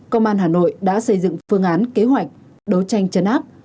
công an hà nội đã xây dựng phương án kế hoạch đấu tranh chấn áp